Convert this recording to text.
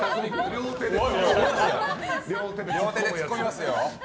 両手でツッコみますよ！